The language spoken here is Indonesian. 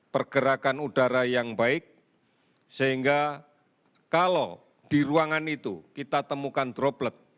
pergerakan udara yang baik sehingga kalau di ruangan itu kita temukan droplet